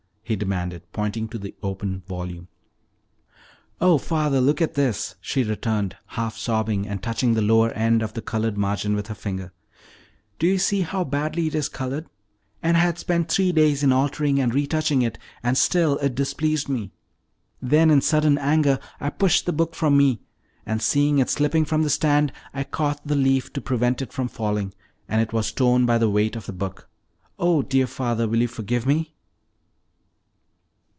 he demanded, pointing to the open volume. "Oh, father, look at this," she returned, half sobbing, and touching the lower end of the colored margin with her finger. "Do you see how badly it is colored? And I had spent three days in altering and retouching it, and still it displeased me. Then, in sudden anger, I pushed the book from me, and seeing it slipping from the stand I caught the leaf to prevent it from falling, and it was torn by the weight of the book. Oh, dear father, will you forgive me?"